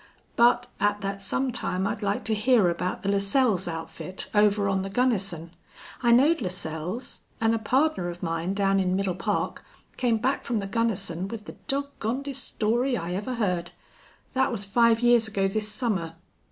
"But at thet some time I'd like to hear about the Lascelles outfit over on the Gunnison. I knowed Lascelles. An' a pardner of mine down in Middle Park came back from the Gunnison with the dog gondest story I ever heerd. Thet was five years ago this summer.